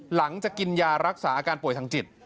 หลังจากกินยารักษาอาการป่วยทางจิต